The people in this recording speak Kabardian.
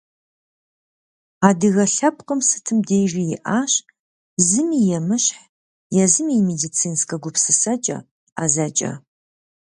Адыгэ лъэпкъым сытым дежи иӏащ зыми емыщхь езым и медицинскэ гупсысэкӏэ, ӏэзэкӏэ.